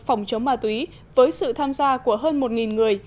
phòng chống ma túy với sự tham gia của hơn một người